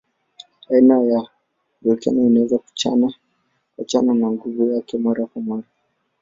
Aina hiyo ya volkeno inaweza kuachana na nguvu yake mara kwa mara.